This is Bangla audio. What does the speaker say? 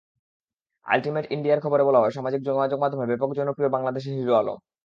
আল্টিমেট ইন্ডিয়ার খবরে বলা হয়, সামাজিক যোগাযোগমাধ্যমে ব্যাপক জনপ্রিয় বাংলাদেশের হিরো আলম।